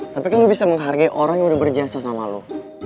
tapi kan lo bisa menghargai orang yang udah berjasa sama lo